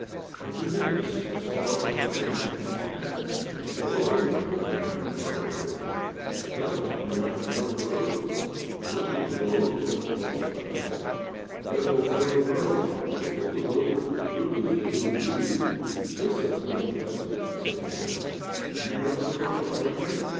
In two minutes I saw it was a man, and we met. "Hey, there, good man," the driver hailed him, "tell us, do you happen to know the road?" "This is the road," replied the traveller. "I am on firm ground; but what the devil good does that do you?" "Listen, my little peasant," said I to him, "do you know this part of the country?